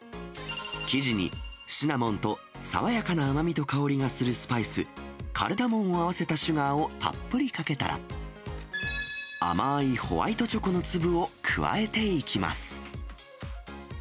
生地にシナモンと爽やかな甘みと香りがするスパイス、カルダモンを合わせたシュガーをたっぷりかけたら、甘いホワイトチョコの粒を加えていきます。